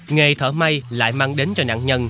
nghề thở may lại mang đến cho nạn nhân